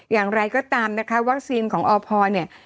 อย่างไรก็ตามนะคะวัคซีนของอพเนี่ย